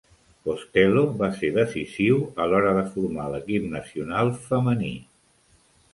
Costello va ser decisiu a l'hora de formar l'equip nacional femení.